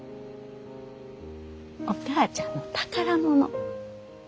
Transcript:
お母ちゃんの宝物。